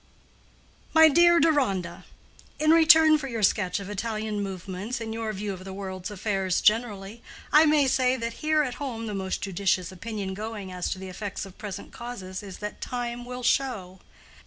MY DEAR DERONDA,—In return for your sketch of Italian movements and your view of the world's affairs generally, I may say that here at home the most judicious opinion going as to the effects of present causes is that "time will show."